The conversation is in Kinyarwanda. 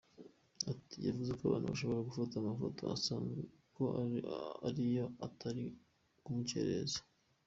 Ati “Yavuze ko abantu bashobora gufata amafoto asanzwe kuko ariyo atari kumukerereza.